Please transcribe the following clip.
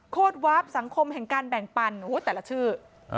วาฟสังคมแห่งการแบ่งปันแต่ละชื่อ